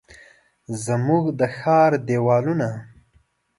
زموږ د ښار دیوالونه،